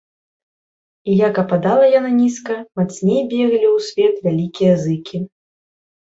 І як ападала яна нізка, мацней беглі ў свет вялікія зыкі.